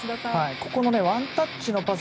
ここのワンタッチのパス